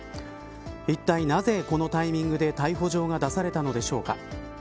いったい、なぜこのタイミングで逮捕状が出されたのでしょうか。